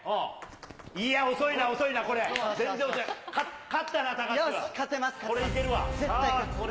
いや、遅いな、遅いな、これ。